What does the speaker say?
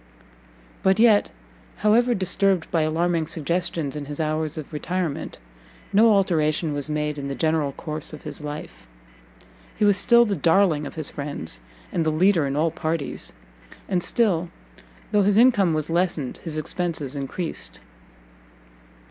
But yet, however disturbed by alarming suggestions in his hours of retirement, no alteration was made in the general course of his life; he was still the darling of his friends, and the leader in all parties, and still, though his income was lessened, his expences encreased.